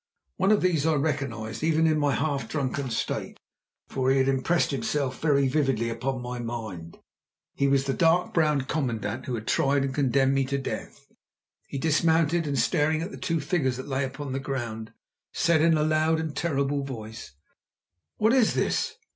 One of these I recognised even in my half drunken state, for he had impressed himself very vividly upon my mind. He was the dark browed commandant who had tried and condemned me to death. He dismounted, and, staring at the two figures that lay upon the ground, said in a loud and terrible voice: "What is this?